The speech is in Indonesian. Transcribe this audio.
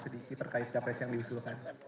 sedikit terkait capres yang diusulkan